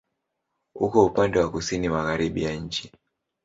Uko upande wa kusini-magharibi ya nchi.